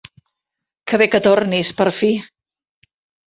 Que bé que tornis per fi.